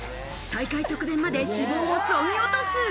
大会直前まで脂肪をそぎ落とす。